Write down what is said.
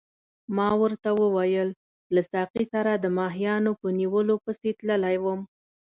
ما ورته وویل له ساقي سره د ماهیانو په نیولو پسې تللی وم.